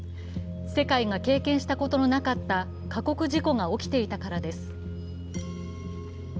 世界が経験したことのなかった過酷事故が起きていたからです。